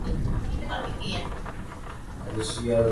হরিহরের সমস্ত ব্রহ্মোত্তর জমা, জমিদারের সঙ্গে কোনো সম্বন্ধ নাই।